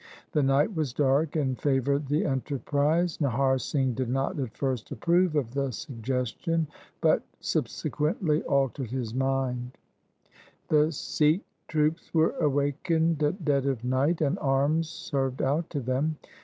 The night was dark and favoured the enterprise. Nahar Singh did not at first approve of the suggestion, but subsequently altered his mind. LIFE OF GURU GOBIND SINGH 173 The Sikh troops were awakened at dead of night, and arms served out to them.